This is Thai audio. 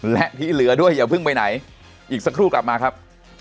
และที่เหลือด้วยอย่าเพิ่งไปไหนอีกสักครู่กลับมาครับ